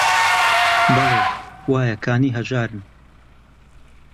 بەڵێ: وایە کانی هەژارن